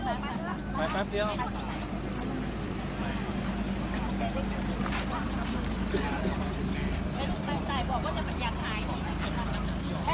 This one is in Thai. สวัสดีครับคุณพลาด